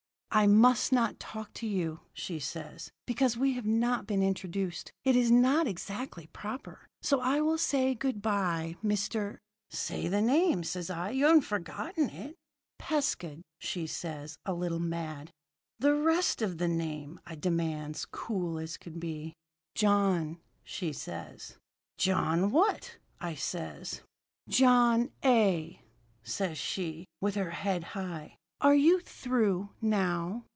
"'I must not talk to you,' she says, 'because we have not been introduced. It is not exactly proper. So I will say good bye, Mr. ' "'Say the name,' says I. 'You haven't forgotten it.' "'Pescud,' says she, a little mad. "'The rest of the name!' I demands, cool as could be. "'John,' says she. "'John what?' I says. "'John A.,' says she, with her head high. 'Are you through, now?'